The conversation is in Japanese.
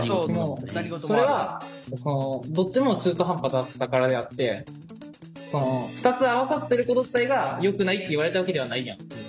でもそれはどっちも中途半端だったからであって２つ合わさってること自体が良くないって言われたわけではないやん。